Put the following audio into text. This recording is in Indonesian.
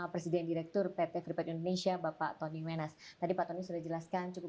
presiden direktur pt freeport indonesia bapak tony wenas tadi pak tony sudah jelaskan cukup